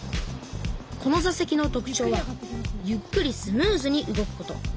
このざ席の特ちょうはゆっくりスムーズに動くこと。